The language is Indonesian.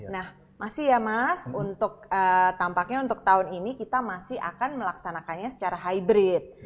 nah masih ya mas untuk tampaknya untuk tahun ini kita masih akan melaksanakannya secara hybrid